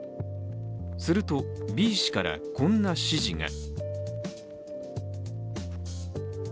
するとＢ氏からこんな指示が。